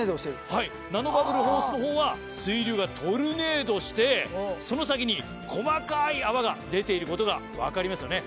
ナノバブルホースの方は水流がトルネードしてその先に細かい泡が出ていることが分かりますよね。